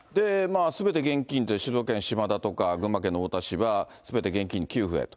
すべて現金って、静岡県島田とか、群馬県の太田市は、すべて現金給付だと。